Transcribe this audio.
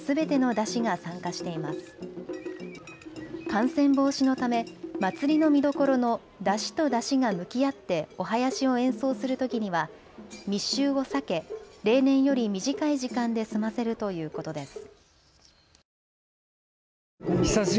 感染防止のため祭りの見どころの山車と山車が向き合ってお囃子を演奏するときには密集を避け例年より短い時間で済ませるということです。